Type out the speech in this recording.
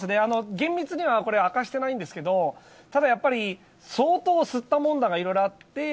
厳密には明かしてないんですけどただ、やっぱり相当、すったもんだがいろいろあって。